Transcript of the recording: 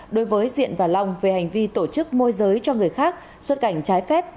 đối với diện và long về hành vi tổ chức môi giới cho người khác xuất cảnh trái phép